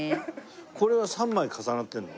これは３枚重なってるの？